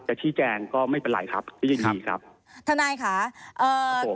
จะที่แจงก็ไม่เป็นไรครับไม่ยินดีครับครับท่านายค่ะเอ่อ